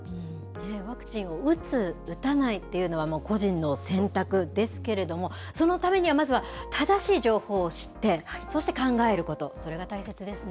ワクチンを打つ、打たないっていうのは、もう個人の選択ですけれども、そのためには、まずは正しい情報を知って、そして考えること、それが大切ですね。